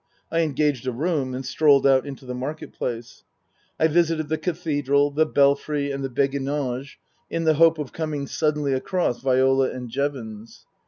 I engaged a room and strolled out into the Market Place. I visited the Cathedral, the Belfry, and the Beguinage, in the hope of coming suddenly across Viola and Jevons.